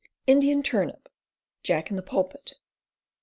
Indian Turnip. Jack in the Pulpit.